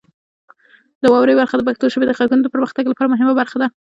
د واورئ برخه د پښتو ژبې د غږونو د پرمختګ لپاره مهمه برخه ده.